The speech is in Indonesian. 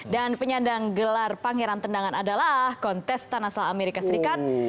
dan penyandang gelar pangeran tendangan adalah kontes tanah selat amerika serikat